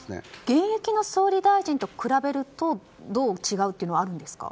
現役の総理大臣と比べるとどう違うというのはあるんですか。